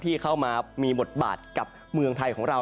ที่เข้ามามีบทบาทกับเมืองไทยของเรา